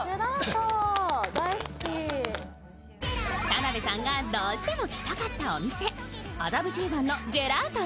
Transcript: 田辺さんがどうしても来たかったお店麻布十番のジェラート